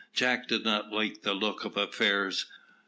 Jack did not like the look of affairs.